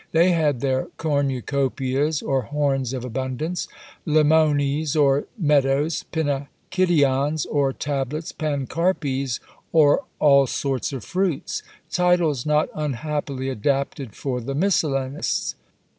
They had their Cornucopias, or horns of abundance Limones, or meadows Pinakidions, or tablets Pancarpes, or all sorts of fruits; titles not unhappily adapted for the miscellanists.